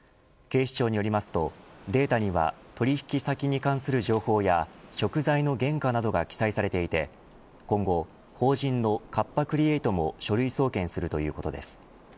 警視庁によりますと、データには取引先に関する情報や食材の原価などが記載されていて今後法人のカッパ・クリエイトも書類送検するということです。